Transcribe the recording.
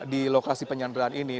di lokasi penyanderaan ini